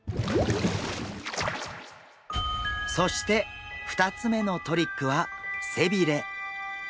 そして２つ目のトリックは背びれ。